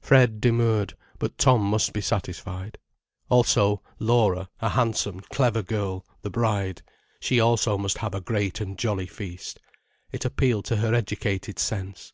Fred demurred, but Tom must be satisfied. Also Laura, a handsome, clever girl, the bride, she also must have a great and jolly feast. It appealed to her educated sense.